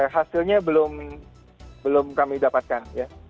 hasilnya belum kami dapatkan